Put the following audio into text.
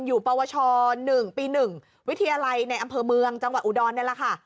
ปวช๑ปี๑วิทยาลัยในอำเภอเมืองจังหวัดอุดรนี่แหละค่ะ